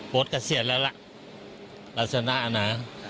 โปรดเกษียรแล้วล่ะลักษณะนะ